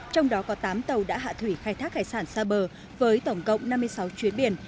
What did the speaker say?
trong đó có tám tàu đã hạ thủy khai thác hải sản xa bờ với tổng cộng năm mươi sáu chuyến biển